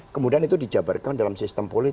kemudian itu dijabarkan dalam sistem politik